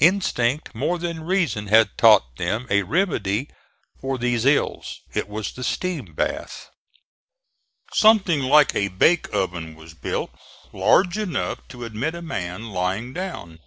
Instinct more than reason had taught them a remedy for these ills. It was the steam bath. Something like a bake oven was built, large enough to admit a man lying down.